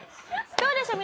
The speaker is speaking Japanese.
どうでしょう？